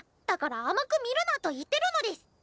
だから甘く見るなと言ってるのデス！